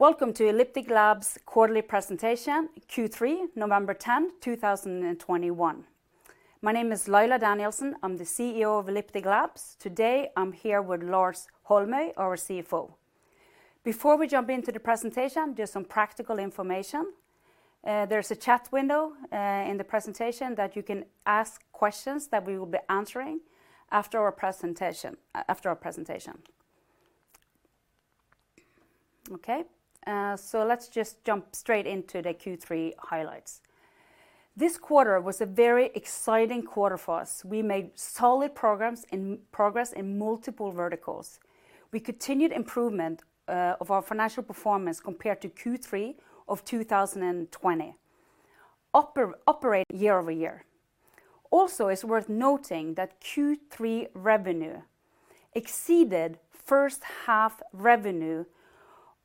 Welcome to Elliptic Labs quarterly presentation, Q3, November 10th, 2021. My name is Laila Danielsen. I'm the CEO of Elliptic Labs. Today, I'm here with Lars Holmøy, our CFO. Before we jump into the presentation, just some practical information. There's a chat window in the presentation that you can ask questions that we will be answering after our presentation, after our presentation. Okay, so let's just jump straight into the Q3 highlights. This quarter was a very exciting quarter for us. We made solid progress in multiple verticals. We continued improvement of our financial performance compared to Q3 of 2020. Operating year-over-year. Also, it's worth noting that Q3 revenue exceeded first half revenue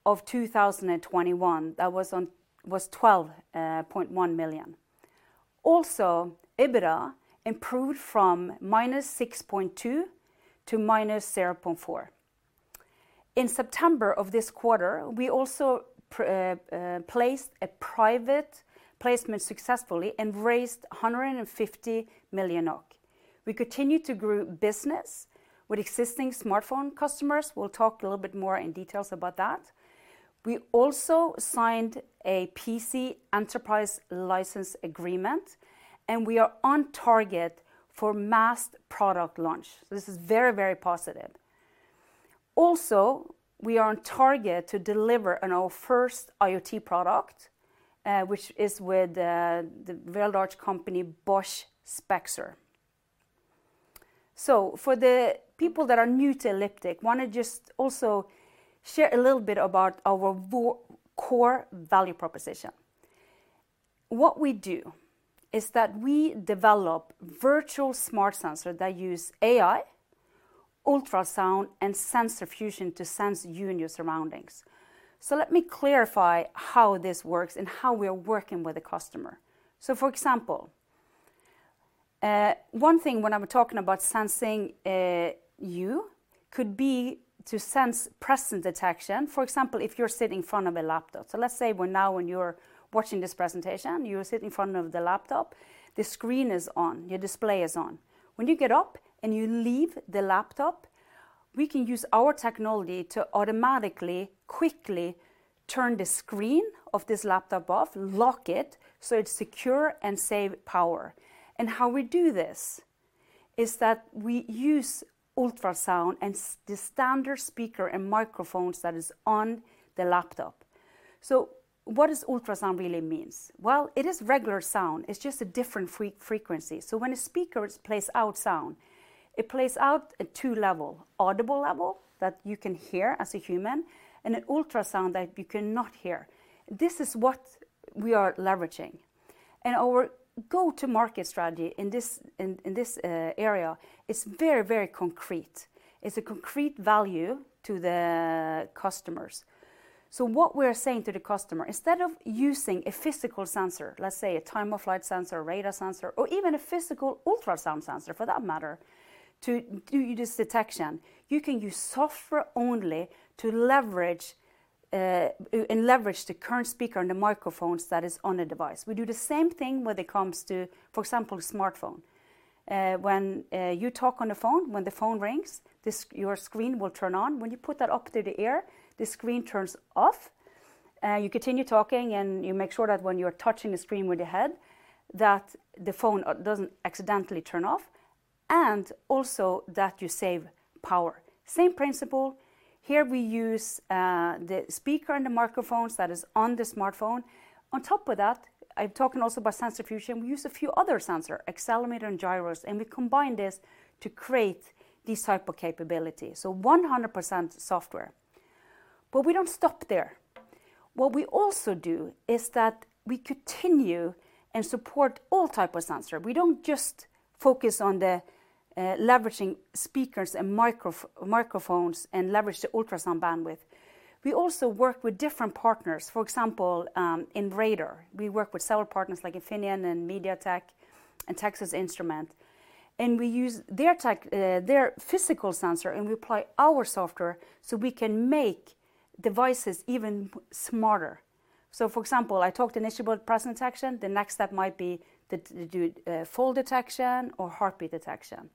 of 2021. That was 12.1 million. Also, EBITDA improved from -6.2 to -0.4. In September of this quarter, we also placed a private placement successfully and raised 150 million. We continue to grow business with existing smartphone customers. We'll talk a little bit more in details about that. We also signed a PC enterprise license agreement, and we are on target for mass product launch. This is very, very positive. Also, we are on target to deliver on our first IoT product, which is with the very large company Bosch Spexor. For the people that are new to Elliptic, wanna just also share a little bit about our core value proposition. What we do is that we develop virtual smart sensor that use AI, ultrasound, and sensor fusion to sense you and your surroundings. Let me clarify how this works and how we are working with the customer. For example, one thing when I'm talking about sensing, you could be to sense presence detection, for example, if you're sitting in front of a laptop. Let's say when you are watching this presentation, you are sitting in front of the laptop, the screen is on, your display is on. When you get up and you leave the laptop, we can use our technology to automatically, quickly turn the screen of this laptop off, lock it, so it's secure and save power. How we do this is that we use ultrasound and the standard speaker and microphones that is on the laptop. What does ultrasound really means? Well, it is regular sound. It's just a different frequency. When a speaker plays out sound, it plays out at two levels, audible level that you can hear as a human, and an ultrasound that you cannot hear. This is what we are leveraging. Our go-to-market strategy in this area is very concrete. It's a concrete value to the customers. What we're saying to the customer, instead of using a physical sensor, let's say a time-of-flight sensor, a radar sensor, or even a physical ultrasound sensor for that matter, to do this detection, you can use software only to leverage the current speaker and the microphones that is on a device. We do the same thing when it comes to, for example, smartphone. When you talk on the phone, when the phone rings, your screen will turn on. When you put that up to the ear, the screen turns off. You continue talking, and you make sure that when you're touching the screen with your head, that the phone doesn't accidentally turn off, and also that you save power. Same principle. Here we use the speaker and the microphones that is on the smartphone. On top of that, I'm talking also about sensor fusion, we use a few other sensor, accelerometer and gyros, and we combine this to create this type of capability, so 100% software. But we don't stop there. What we also do is that we continue and support all type of sensor. We don't just focus on the leveraging speakers and microphones and leverage the ultrasound bandwidth. We also work with different partners, for example, in radar. We work with several partners like Infineon and MediaTek and Texas Instruments, and we use their tech, their physical sensor, and we apply our software, so we can make devices even smarter. For example, I talked initially about presence detection. The next step might be the fall detection or heartbeat detection.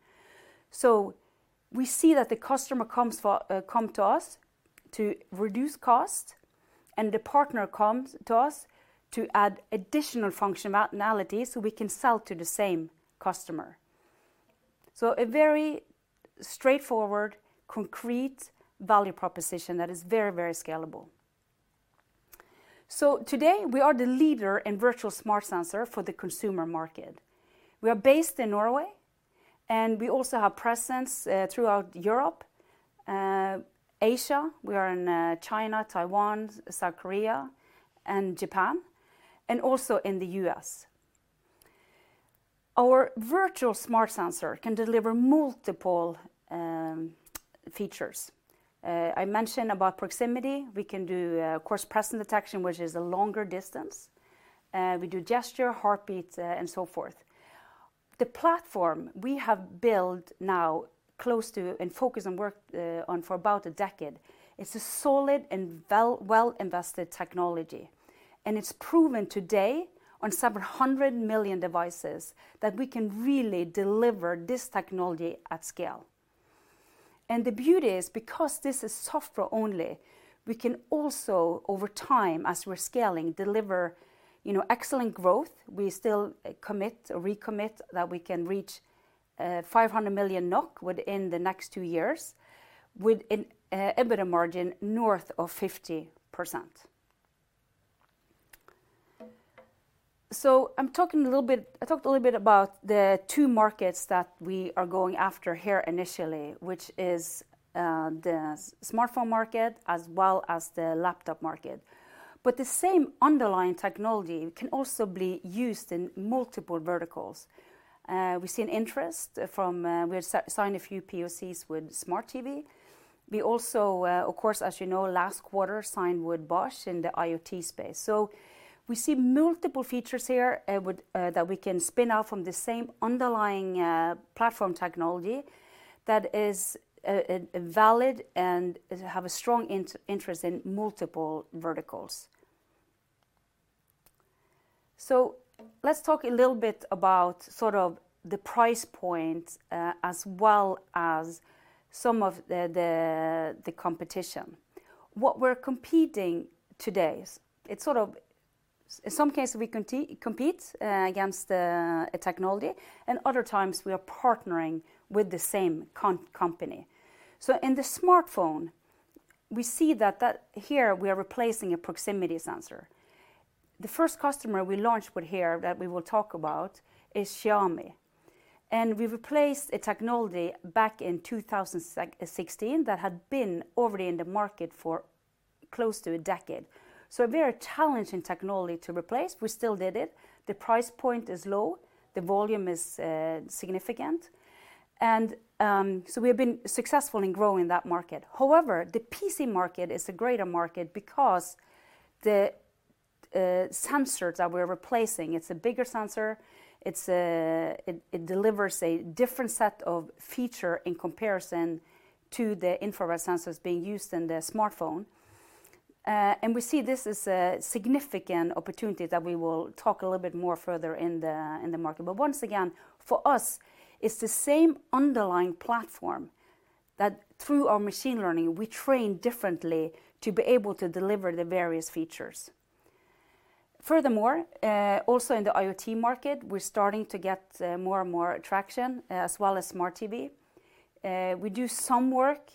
We see that the customer come to us to reduce cost, and the partner comes to us to add additional functionality, so we can sell to the same customer. A very straightforward, concrete value proposition that is very, very scalable. Today, we are the leader in virtual smart sensor for the consumer market. We are based in Norway, and we also have presence throughout Europe, Asia. We are in China, Taiwan, South Korea, and Japan, and also in the U.S.. Our virtual smart sensor can deliver multiple features. I mentioned about proximity. We can do, of course, presence detection, which is a longer distance. We do gesture, heartbeat, and so forth. The platform we have built for about a decade is a solid and well invested technology, and it's proven today on several hundred million devices that we can really deliver this technology at scale. The beauty is because this is software only, we can also over time, as we're scaling, deliver, you know, excellent growth. We still commit or recommit that we can reach 500 million NOK within the next two years with an EBITDA margin north of 50%. I'm talking a little bit. I talked a little bit about the two markets that we are going after here initially, which is the smartphone market as well as the laptop market. The same underlying technology can also be used in multiple verticals. We've seen interest from. We've signed a few POCs with smart TV. We also, of course, as you know, last quarter signed with Bosch in the IoT space. We see multiple features here with that we can spin out from the same underlying platform technology that is valid and has a strong interest in multiple verticals. Let's talk a little bit about sort of the price point as well as some of the competition. What we're competing today, it's sort of. In some cases we compete against a technology, and other times we are partnering with the same company. In the smartphone we see that here we are replacing a proximity sensor. The first customer we launched with here that we will talk about is Xiaomi, and we've replaced a technology back in 2016 that had been already in the market for close to a decade. A very challenging technology to replace. We still did it. The price point is low. The volume is significant and so we have been successful in growing that market. However, the PC market is a greater market because the sensors that we're replacing, it's a bigger sensor. It delivers a different set of feature in comparison to the infrared sensors being used in the smartphone. We see this as a significant opportunity that we will talk a little bit more further in the market. Once again, for us, it's the same underlying platform that through our machine learning, we train differently to be able to deliver the various features. Furthermore, also in the IoT market, we're starting to get more and more traction, as well as smart TV. We do some work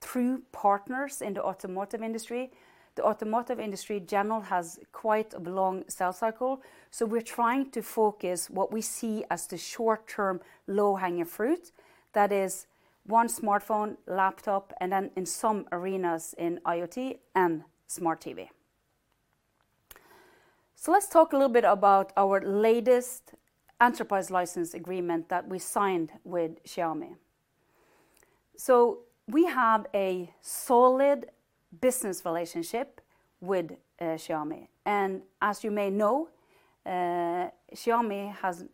through partners in the automotive industry. The automotive industry in general has quite a long sales cycle. We're trying to focus what we see as the short term low hanging fruit that is one smartphone, laptop, and then in some arenas in IoT and smart TV. Let's talk a little bit about our latest enterprise license agreement that we signed with Xiaomi. We have a solid business relationship with Xiaomi, and as you may know, Xiaomi has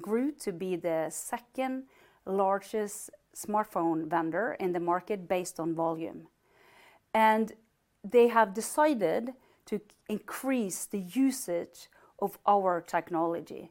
grew to be the second largest smartphone vendor in the market based on volume, and they have decided to increase the usage of our technology.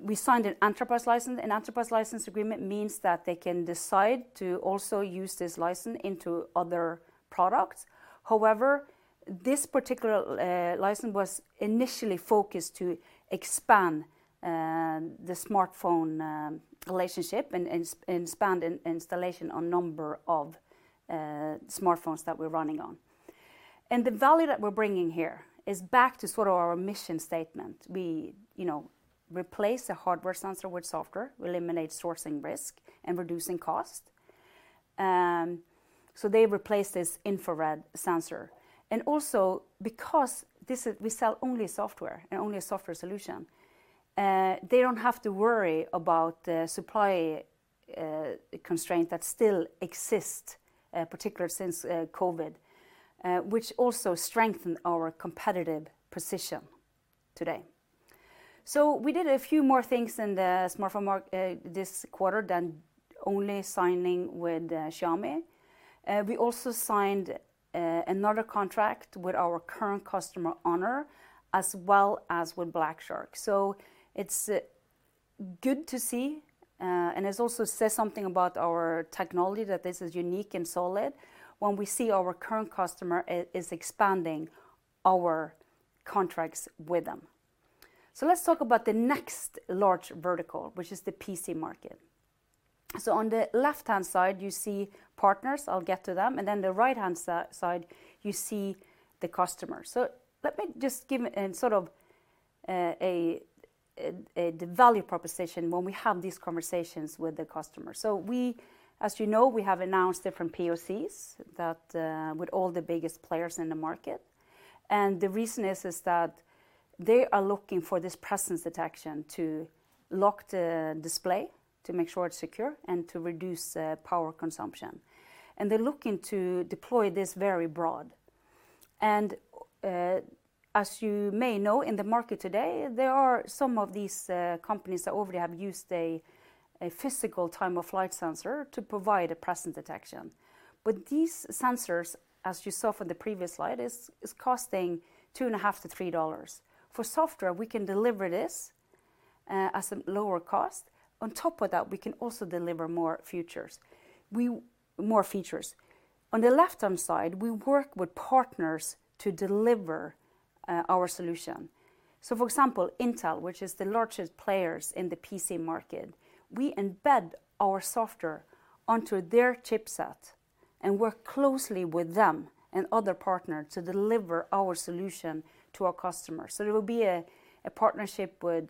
We signed an enterprise license. An enterprise license agreement means that they can decide to also use this license into other products. However, this particular license was initially focused to expand the smartphone relationship and expand installation on number of smartphones that we're running on. The value that we're bringing here is back to sort of our mission statement. We, you know, replace a hardware sensor with software, we eliminate sourcing risk and reducing cost. They replace this infrared sensor. Also because this is, we sell only software and only a software solution, they don't have to worry about the supply constraint that still exists, particularly since COVID, which also strengthened our competitive position today. We did a few more things in the smartphone market this quarter than only signing with Xiaomi. We also signed another contract with our current customer, Honor, as well as with Black Shark. It's good to see, and it also says something about our technology that this is unique and solid when we see our current customer is expanding our contracts with them. Let's talk about the next large vertical, which is the PC market. On the left-hand side, you see partners, I'll get to them. Then the right-hand side, you see the customers. Let me just give a sort of the value proposition when we have these conversations with the customer. We, as you know, we have announced different POCs that with all the biggest players in the market. The reason is that they are looking for this presence detection to lock the display, to make sure it's secure, and to reduce power consumption. They're looking to deploy this very broad. As you may know, in the market today, there are some of these companies that already have used a physical time-of-flight sensor to provide a presence detection. These sensors, as you saw from the previous slide, is costing $2.5-$3. For software, we can deliver this at some lower cost. On top of that, we can also deliver more features. More features. On the left-hand side, we work with partners to deliver our solution. For example, Intel, which is the largest player in the PC market, we embed our software onto their chipset and work closely with them and other partners to deliver our solution to our customers. It will be a partnership with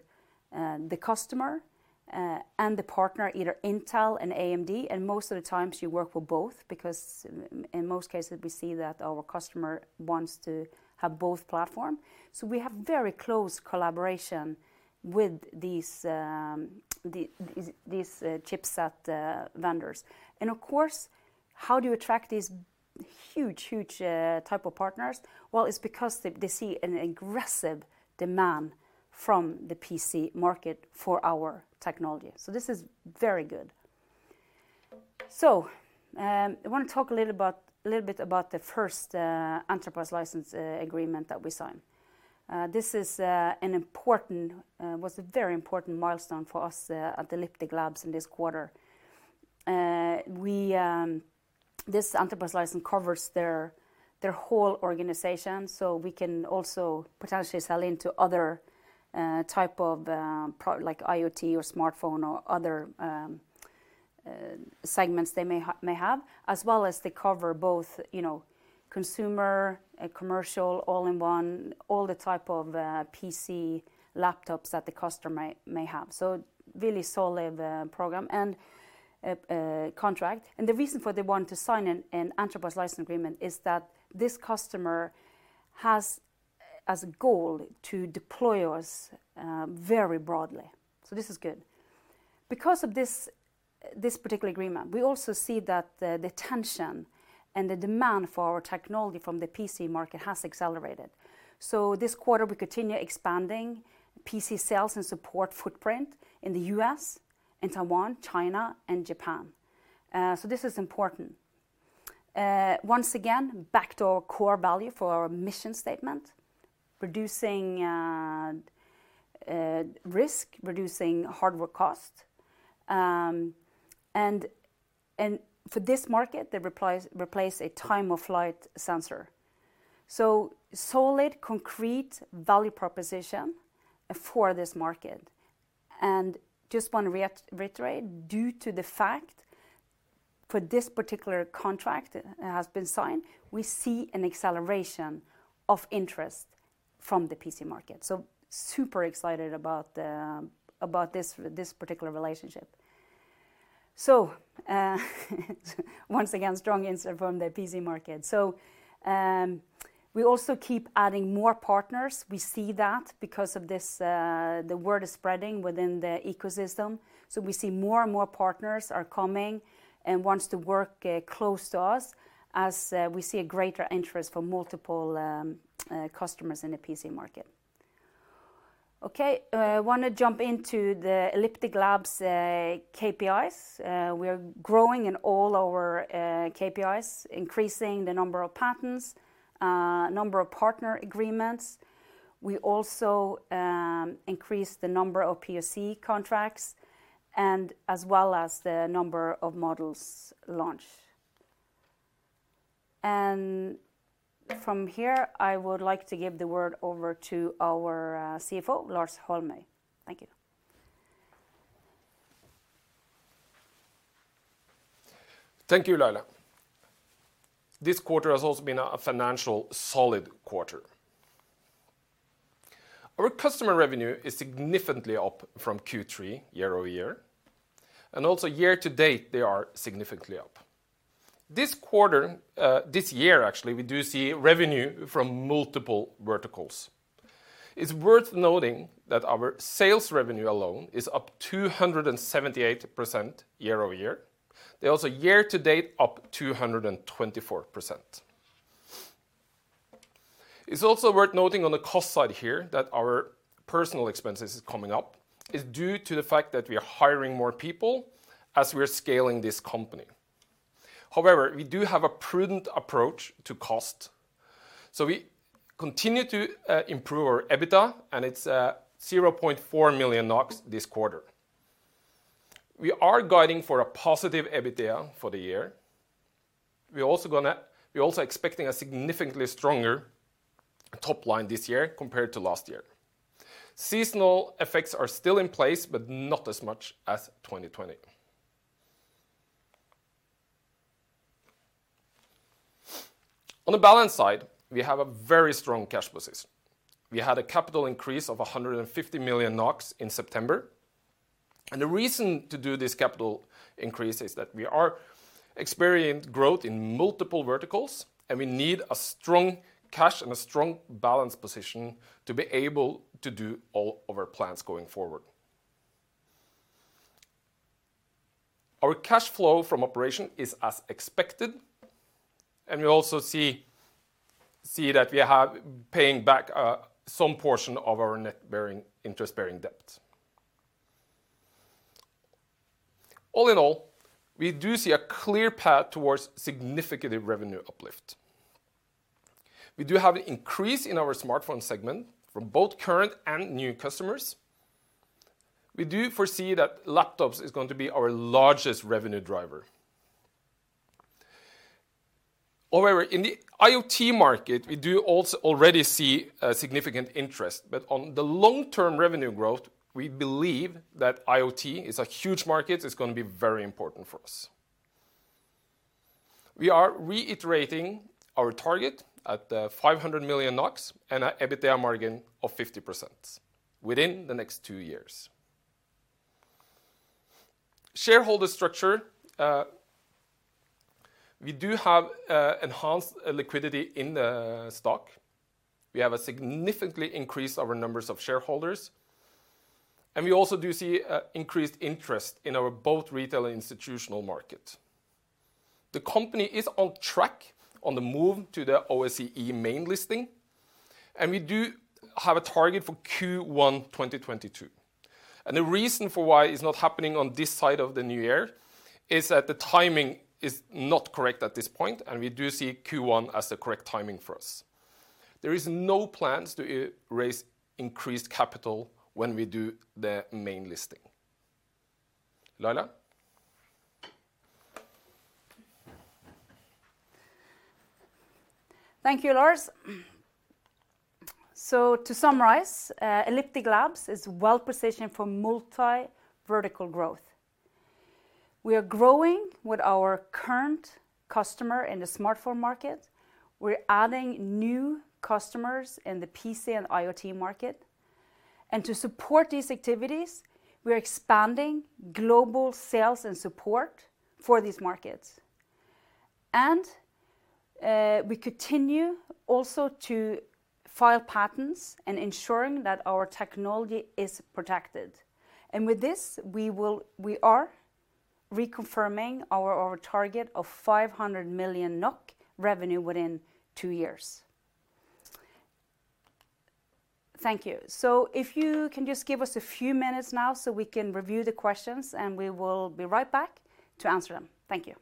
the customer and the partner, either Intel and AMD, and most of the time you work with both because in most cases we see that our customer wants to have both platforms. We have very close collaboration with these chipset vendors. Of course, how do you attract these huge type of partners? Well, it's because they see an aggressive demand from the PC market for our technology. This is very good. I wanna talk a little bit about the first enterprise license agreement that we signed. This was a very important milestone for us at Elliptic Labs in this quarter. This enterprise license covers their whole organization, so we can also potentially sell into other type of pro-like IoT or smartphone or other segments they may have, as well as they cover both, you know, consumer, commercial, all-in-one, all the type of PC laptops that the customer may have. Really solid program and contract. The reason for they want to sign an enterprise license agreement is that this customer has, as a goal to deploy us very broadly. This is good. Because of this particular agreement, we also see that the attention and the demand for our technology from the PC market has accelerated. This quarter, we continue expanding PC sales and support footprint in the U.S., in Taiwan, China, and Japan. This is important. Once again, back to our core value for our mission statement, reducing risk, reducing hardware cost, and for this market, they replace a time-of-flight sensor. Solid, concrete value proposition for this market. Just wanna reiterate, due to the fact for this particular contract has been signed, we see an acceleration of interest from the PC market. Super excited about this particular relationship. Once again, strong interest from the PC market. We also keep adding more partners. We see that because of this, the word is spreading within the ecosystem, so we see more and more partners are coming and wants to work close to us as we see a greater interest from multiple customers in the PC market. Okay, wanna jump into the Elliptic Labs KPIs. We're growing in all our KPIs, increasing the number of patents, number of partner agreements. We also increased the number of POC contracts, and as well as the number of models launched. From here, I would like to give the word over to our CFO, Lars Holmøy. Thank you. Thank you, Laila. This quarter has also been a financially solid quarter. Our customer revenue is significantly up from Q3 year-over-year, and also year-to-date they are significantly up. This quarter, this year actually, we do see revenue from multiple verticals. It's worth noting that our sales revenue alone is up 278% year-over-year. They're also year-to-date up 224%. It's also worth noting on the cost side here that our personnel expenses is coming up. It's due to the fact that we are hiring more people as we are scaling this company. However, we do have a prudent approach to cost, so we continue to improve our EBITDA, and it's 0.4 million NOK this quarter. We are guiding for a positive EBITDA for the year. We're also expecting a significantly stronger top line this year compared to last year. Seasonal effects are still in place. Not as much as 2020. On the balance sheet side, we have a very strong cash position. We had a capital increase of 150 million NOK in September, and the reason to do this capital increase is that we are experiencing growth in multiple verticals, and we need a strong cash and a strong balance position to be able to do all of our plans going forward. Our cash flow from operations is as expected, and we also see that we are paying back some portion of our interest-bearing debt. All in all, we do see a clear path towards significant revenue uplift. We do have an increase in our smartphone segment from both current and new customers. We do foresee that laptops is going to be our largest revenue driver. However, in the IoT market, we do already see a significant interest, but on the long-term revenue growth, we believe that IoT is a huge market, it's gonna be very important for us. We are reiterating our target at 500 million NOK and a EBITDA margin of 50% within the next two years. Shareholder structure, we do have enhanced liquidity in the stock. We have significantly increased our numbers of shareholders, and we also do see increased interest in our both retail institutional market. The company is on track on the move to the OSE main listing, and we do have a target for Q1 2022. The reason for why it's not happening on this side of the new year is that the timing is not correct at this point, and we do see Q1 as the correct timing for us. There is no plans to raise increased capital when we do the main listing. Laila? Thank you, Lars. To summarize, Elliptic Labs is well-positioned for multi-vertical growth. We are growing with our current customer in the smartphone market. We're adding new customers in the PC and IoT market. To support these activities, we're expanding global sales and support for these markets. We continue also to file patents and ensuring that our technology is protected. With this, we are reconfirming our target of 500 million NOK revenue within two years. Thank you. If you can just give us a few minutes now, so we can review the questions, and we will be right back to answer them. Thank you.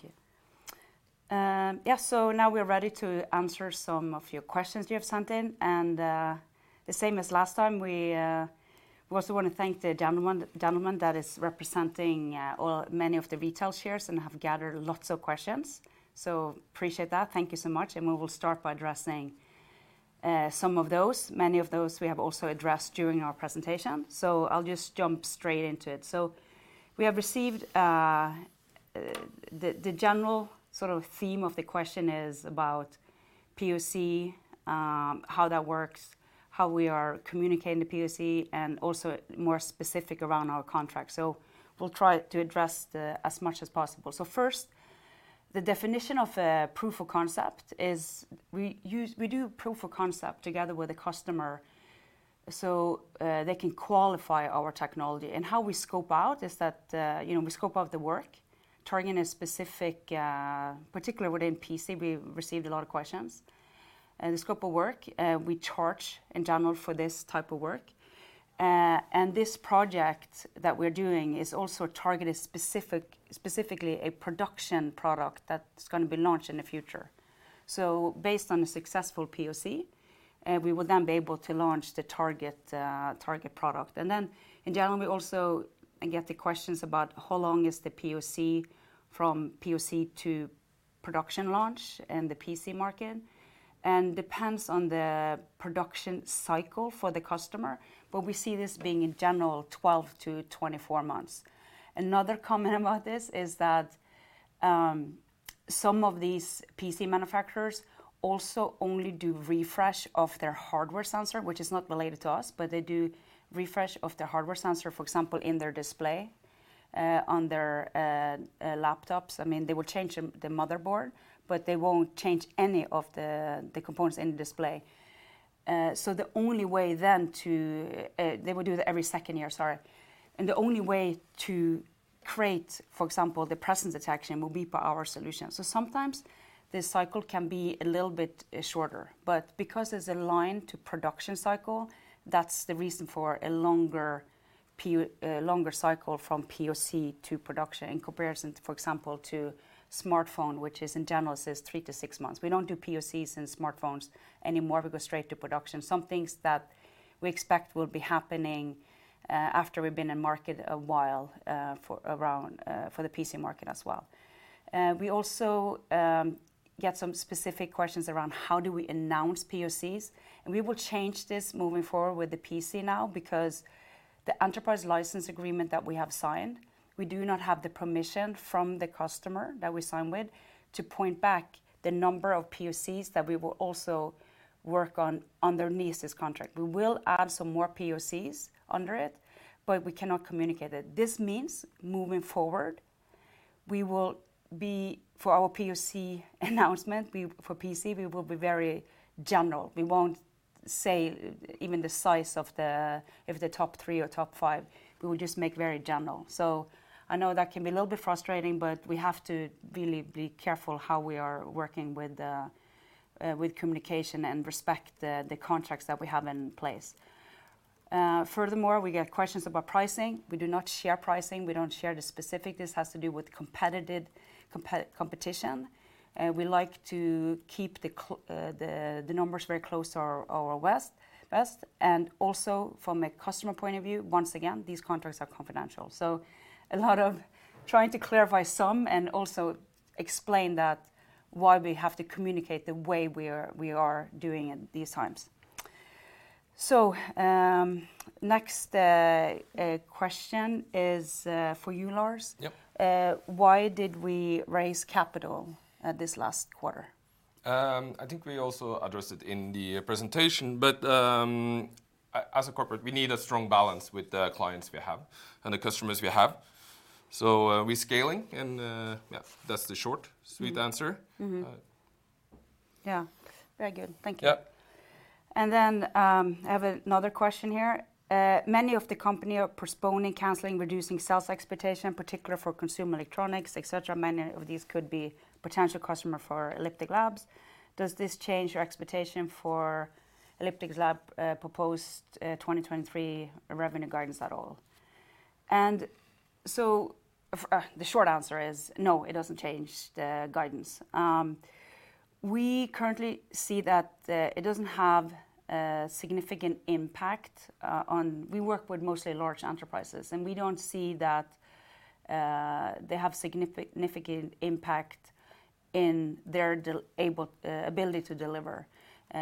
Thank you. Now we're ready to answer some of your questions you have sent in. The same as last time, we also want to thank the gentleman that is representing many of the retail shares and have gathered lots of questions. Appreciate that. Thank you so much, and we will start by addressing some of those. Many of those we have also addressed during our presentation. I'll just jump straight into it. We have received the general sort of theme of the question is about POC, how that works, how we are communicating the POC, and also more specific around our contract. We'll try to address as much as possible. First, the definition of a proof of concept is we do proof of concept together with a customer, they can qualify our technology. How we scope out is that, you know, we scope out the work, targeting a specific vertical within PC, we receive a lot of questions. The scope of work, we charge in general for this type of work. This project that we're doing is also targeted specifically a production product that's gonna be launched in the future. Based on the successful POC. We will then be able to launch the target product. In general, we also get the questions about how long is the POC from POC to production launch in the PC market? Depends on the production cycle for the customer, but we see this being in general 12-24 months. Another comment about this is that some of these PC manufacturers also only do refresh of their hardware sensor, which is not related to us, but they do refresh of their hardware sensor, for example, in their display on their laptops. I mean, they will change the motherboard, but they won't change any of the components in the display. The only way then they will do that every second year, sorry. The only way to create, for example, the presence detection will be by our solution. Sometimes this cycle can be a little bit shorter, but because it's aligned to production cycle, that's the reason for a longer cycle from POC to production in comparison, for example, to smartphone, which in general is three-six months. We don't do POCs in smartphones anymore. We go straight to production. Some things that we expect will be happening after we've been in market a while for the PC market as well. We also get some specific questions around how do we announce POCs, and we will change this moving forward with the PC now because the enterprise license agreement that we have signed, we do not have the permission from the customer that we sign with to point back the number of POCs that we will also work on underneath this contract. We will add some more POCs under it, but we cannot communicate it. This means moving forward, for our POC announcement for PC, we will be very general. We won't say even the size of the if the top three or top five, we will just make very general. I know that can be a little bit frustrating, but we have to really be careful how we are working with communication and respect the contracts that we have in place. Furthermore, we get questions about pricing. We do not share pricing. We don't share the specific. This has to do with competition. We like to keep the numbers very close to our best, and also from a customer point of view, once again, these contracts are confidential. A lot of trying to clarify some and also explain that why we have to communicate the way we are doing it these times. Next question is for you, Lars. Yep. Why did we raise capital this last quarter? I think we also addressed it in the presentation, but as a corporate, we need a strong balance with the clients we have and the customers we have. We're scaling and yeah, that's the short, sweet answer. Yeah. Very good. Thank you. Yep. I have another question here. Many of the companies are postponing, canceling, reducing sales expectations, particularly for consumer electronics, et cetera. Many of these could be potential customers for Elliptic Labs. Does this change your expectation for Elliptic Labs proposed 2023 revenue guidance at all? The short answer is no, it doesn't change the guidance. We currently see that it doesn't have a significant impact. We work with mostly large enterprises, and we don't see that they have significant impact in their ability to deliver.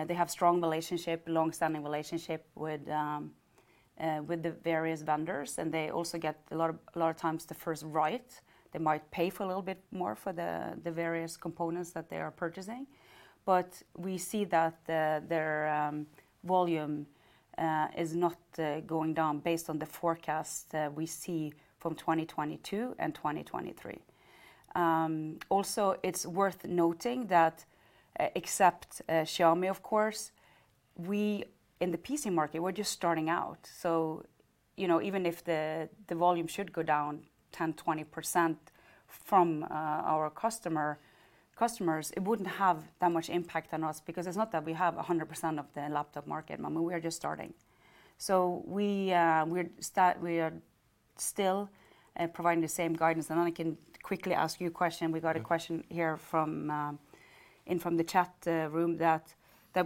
They have strong relationship, long-standing relationship with the various vendors, and they also get a lot of times the first right. They might pay a little bit more for the various components that they are purchasing. We see that their volume is not going down based on the forecast we see from 2022 and 2023. Also it's worth noting that except Xiaomi of course, we in the PC market, we're just starting out. You know, even if the volume should go down 10, 20% from our customers, it wouldn't have that much impact on us because it's not that we have 100% of the laptop market. I mean, we are just starting. So we are still providing the same guidance. I can quickly ask you a question. We got a question here from the chat room that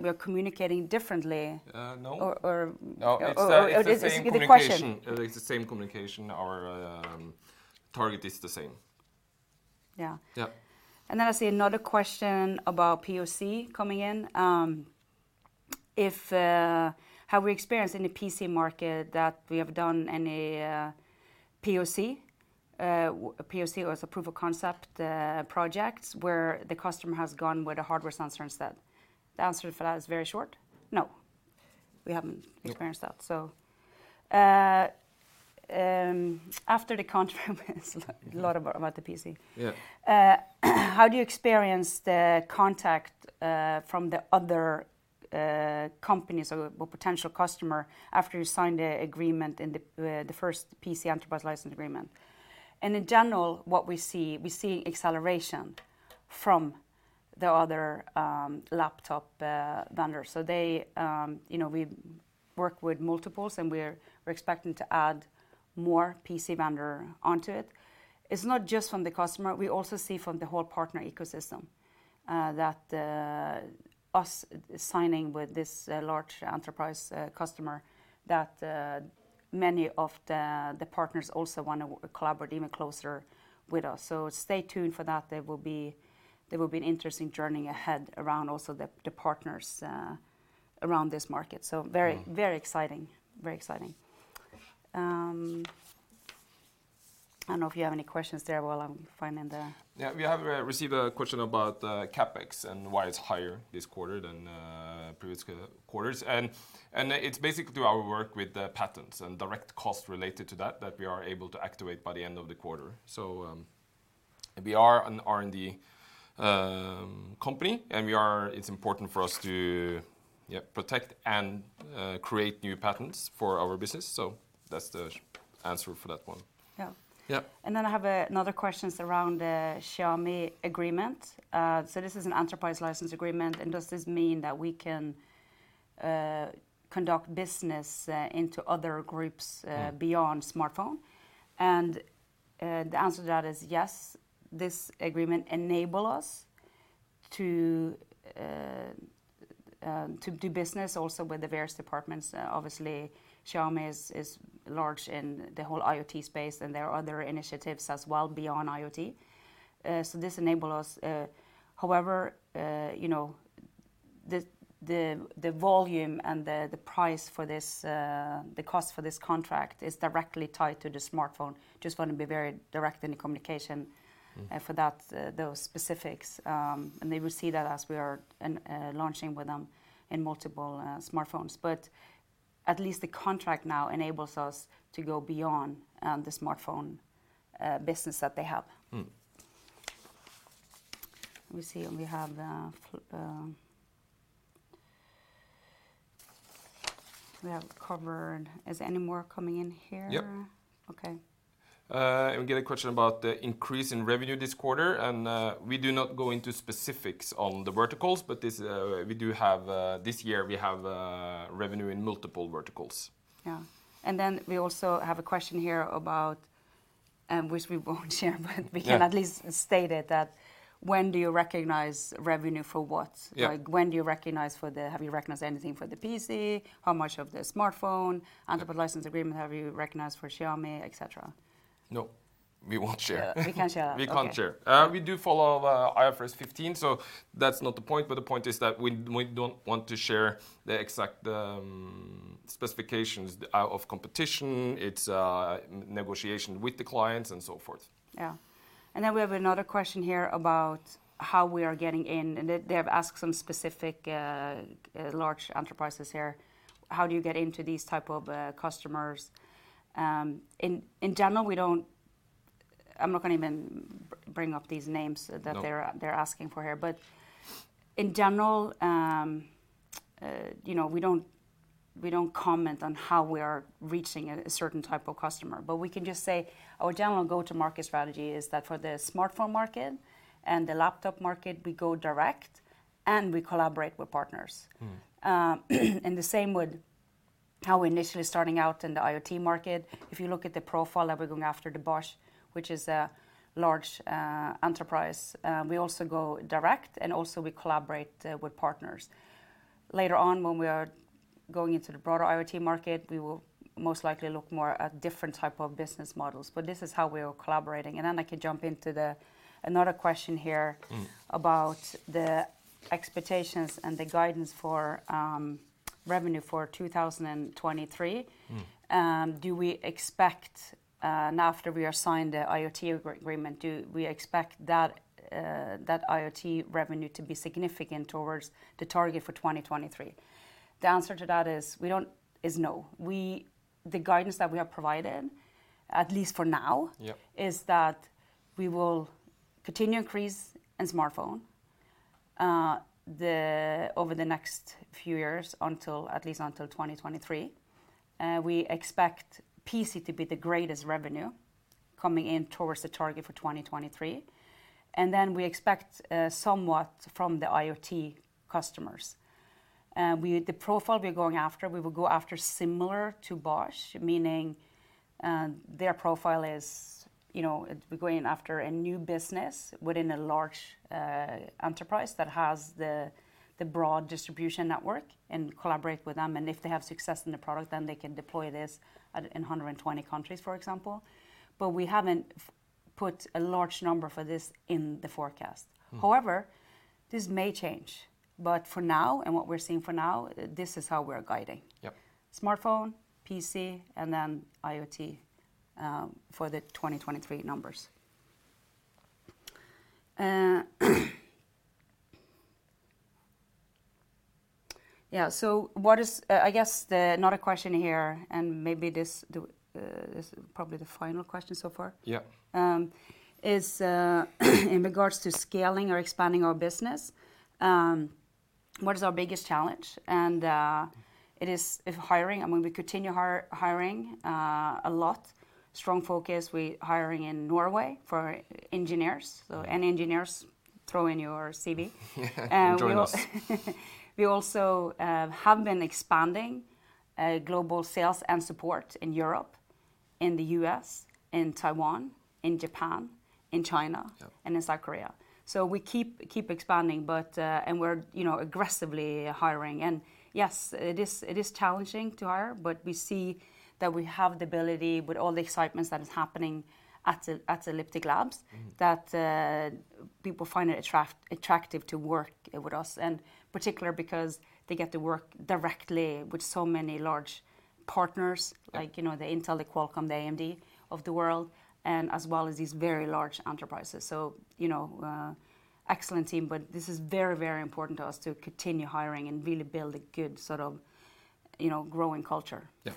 we are communicating differently. No. Or, or. No, it's the, This is the question. It's the same communication. Our target is the same. Yeah. Yeah. I see another question about POC coming in. If we have experienced any POC in the PC market that we have done or as a proof of concept projects where the customer has gone with a hardware sensor instead? The answer for that is very short. No. We haven't experienced that. Yeah. After the contract, it's a lot about the PC. Yeah. How do you experience the contact from the other companies or potential customer after you signed the agreement in the first PC enterprise license agreement? In general, what we see is acceleration from the other laptop vendors. They, you know, we work with multiples, and we're expecting to add more PC vendor onto it. It's not just from the customer. We also see from the whole partner ecosystem that our signing with this large enterprise customer that many of the partners also wanna collaborate even closer with us. Stay tuned for that. There will be an interesting journey ahead around also the partners around this market. Very exciting. I don't know if you have any questions there while I'm finding the. Yeah, we have received a question about CapEx and why it's higher this quarter than previous quarters. It's basically through our work with the patents and direct costs related to that that we are able to activate by the end of the quarter. We are an R&D company, and it's important for us to yeah protect and create new patents for our business. That's the short answer for that one. Yeah. Yeah. I have another questions around the Xiaomi agreement. This is an enterprise license agreement, and does this mean that we can conduct business into other groups- Mm Beyond smartphone? The answer to that is yes. This agreement enable us to do business also with the various departments. Obviously Xiaomi is large in the whole IoT space, and there are other initiatives as well beyond IoT. This enable us. However, you know, the volume and the price for this, the cost for this contract is directly tied to the smartphone. Just want to be very direct in the communication. Mm For that, those specifics. They will see that as we are launching with them in multiple smartphones. At least the contract now enables us to go beyond the smartphone business that they have. Mm. Let me see what we have. We have covered. Is any more coming in here? Yep. Okay. We get a question about the increase in revenue this quarter, and we do not go into specifics on the verticals, but this, we do have revenue in multiple verticals. Yeah. We also have a question here about which we won't share. Yeah We can at least state it that when do you recognize revenue for what? Yeah. Have you recognized anything for the PC? How much of the smartphone? Enterprise license agreement, have you recognized for Xiaomi, et cetera? No. We won't share. We can't share that. We can't share. Okay. We do follow IFRS 15, so that's not the point. The point is that we don't want to share the exact specifications out of competition, it's negotiation with the clients, and so forth. Yeah. Then we have another question here about how we are getting in, and they have asked some specific large enterprises here, how do you get into these type of customers? In general, we don't. I'm not gonna even bring up these names. No that they're asking for here. In general, you know, we don't comment on how we are reaching a certain type of customer. We can just say our general go-to market strategy is that for the smartphone market and the laptop market, we go direct, and we collaborate with partners. Mm. The same with how we're initially starting out in the IoT market. If you look at the profile that we're going after, the Bosch, which is a large enterprise, we also go direct, and also we collaborate with partners. Later on when we are going into the broader IoT market, we will most likely look more at different type of business models, but this is how we are collaborating. Then I can jump into another question here. Mm About the expectations and the guidance for revenue for 2023. Mm. Do we expect, now after we have signed the IoT agreement, that IoT revenue to be significant towards the target for 2023? The answer to that is no. The guidance that we have provided, at least for now- Yep is that we will continue to increase in smartphone over the next few years until at least 2023. We expect PC to be the greatest revenue coming in towards the target for 2023. We expect somewhat from the IoT customers. The profile we're going after, we will go after similar to Bosch, meaning their profile is, you know, we're going after a new business within a large enterprise that has the broad distribution network and collaborate with them. If they have success in the product, then they can deploy this in 120 countries, for example. We haven't put a large number for this in the forecast. However, this may change. For now, and what we're seeing for now, this is how we are guiding. Yep. Smartphone, PC, and then IoT for the 2023 numbers. Yeah, what is, I guess, then another question here, and maybe this is probably the final question so far. Yeah In regards to scaling or expanding our business, what is our biggest challenge? It's hiring, and when we continue hiring a lot, strong focus, we hiring in Norway for engineers. Any engineers, throw in your CV. Join us. We also have been expanding global sales and support in Europe, in the U.S., in Taiwan, in Japan, in China. Yep in South Korea. We keep expanding, but, and we're, you know, aggressively hiring. Yes, it is challenging to hire, but we see that we have the ability with all the excitements that is happening at Elliptic Labs. That people find it attractive to work with us, in particular because they get to work directly with so many large partners like, you know, the Intel, the Qualcomm, the AMD of the world, and as well as these very large enterprises. You know, excellent team, but this is very, very important to us to continue hiring and really build a good sort of, you know, growing culture. Yeah.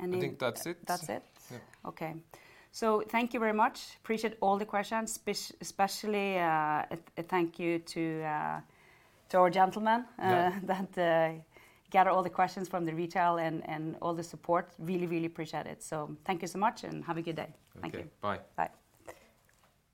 And then- I think that's it. That's it? Yeah. Thank you very much. I appreciate all the questions, especially a thank you to our gentleman. Yeah Gather all the questions from the retail and all the support. Really appreciate it. Thank you so much, and have a good day. Okay. Thank you. Bye. Bye.